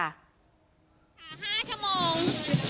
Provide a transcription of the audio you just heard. ค่ะ๕ชั่วโมง